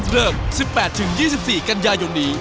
เริ่ม๑๘๒๔กันยายนนี้